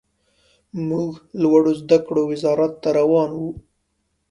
موږ لوړو زده کړو وزارت ته روان وو.